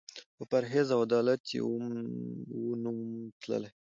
په پرهېز او عدالت یې وو نوم تللی